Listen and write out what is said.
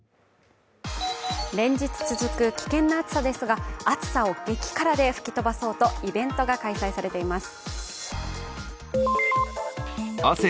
連日続く危険な暑さですが、暑さを激辛で吹き飛ばそうとイベントが開催されています。